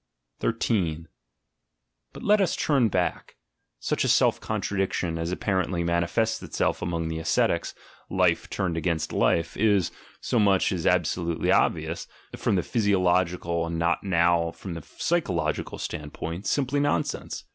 13 But let us turn back. Such a self contradiction, as ASCETIC IDEALS 125 apparently manifests itself among the ascetics, "Life turned against Life," is — so much is absolutely obvious — from the physiological and not now from the psycho logical standpoint, simply nonsense.